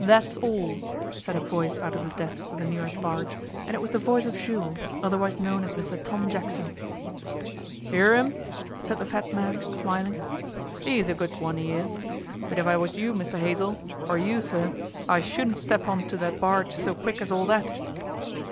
'That's all,' said a voice out of the depths of the nearest barge, and it was the voice of Jules, otherwise known as Mr Tom Jackson. ''Ear 'im?' said the fat man smiling. ''E's a good 'un, 'e is. But if I was you, Mr Hazell, or you, sir, I shouldn't step on to that barge so quick as all that.